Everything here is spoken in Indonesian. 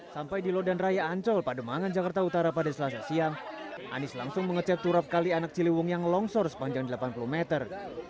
sampai di lodan raya ancol pademangan jakarta utara pada selasa siang anies langsung mengecek turap kali anak ciliwung yang longsor sepanjang delapan puluh meter